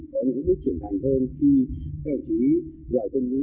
có một bước chuyển thẳng hơn khi các đồng chí